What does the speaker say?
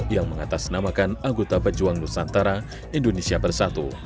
yang mengatasnamakan anggota pejuang nusantara indonesia bersatu